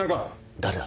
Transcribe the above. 誰だ？